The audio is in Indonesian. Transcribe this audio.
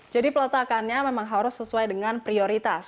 jadi peletakannya memang harus sesuai dengan prioritas